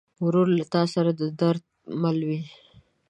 ورور له تا سره د درد مل وي.